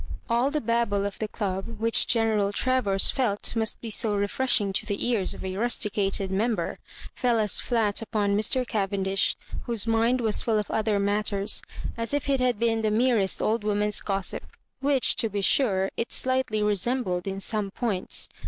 All the babble of the club, which General Travers felt must be so refreshmg to the ears of a rusticated member, fell as flat upon Mr. Cavendish, whose mind was full of other mattery as if it had been the merest old woman's gossip, Digitized by VjOOQIC 102 MISS UABJOmBANKa which, to be sure, it slightly resembled in some points.